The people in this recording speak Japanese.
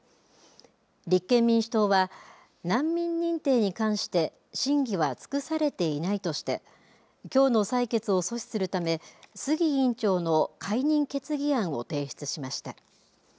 立憲民主党は、難民認定に関して審議は尽くされていないとしてきょうの採決を阻止するため杉委員長の解任決議案を提出しました。